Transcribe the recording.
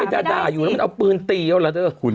เขาจะด่าอยู่แล้วมันเอาปืนตีเอาล่ะ